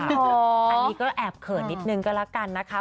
อันนี้ก็แอบเขินนิดนึงก็แล้วกันนะคะ